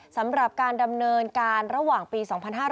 สำหรับการดำเนินการระหว่างปี๒๕๕๙